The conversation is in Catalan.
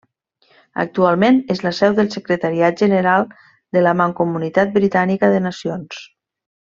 Actualment és la seu del Secretariat General de la Mancomunitat Britànica de Nacions.